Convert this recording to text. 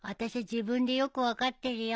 自分でよく分かってるよ。